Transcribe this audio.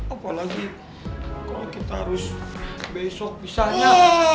apalagi kalau kita harus besok misalnya